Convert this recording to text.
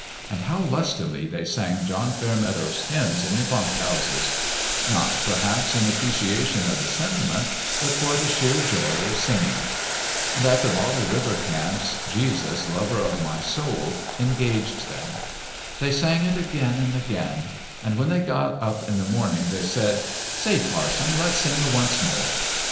And how lustily they sang John Fairmeadow's hymns in the bunk houses 1 Not, perhaps, in apprecia tion of the sentiment, but for the sheer joy of sing ing. And at the Bottle River camps " Jesus Lover of My Soul " engaged them. They sang it again and again ; and when they got up in the morn ing, they said :" Say, parson, let's sing her once more